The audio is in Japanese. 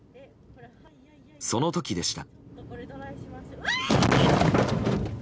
その時でした。